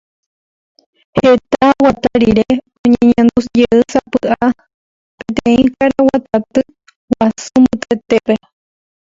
Heta oguata rire oñeñandujeýsapy'a peteĩ karaguataty guasu mbytetépe.